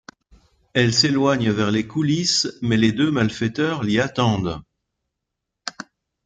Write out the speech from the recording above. Elle s'éloigne vers les coulisses, mais les deux malfaiteurs l'y attendent.